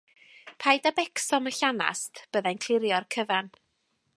Paid â becso am y llanast, bydda i'n clirio'r cyfan.